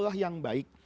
allah yang baik